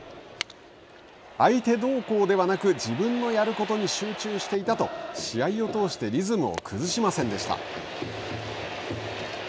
相手どうこうではなく自分のやることに集中していたと試合を通してリズムを崩しませんでした。